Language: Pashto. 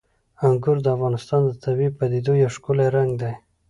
انګور د افغانستان د طبیعي پدیدو یو ښکلی رنګ دی.